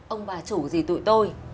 ông bà chủ gì tụi tôi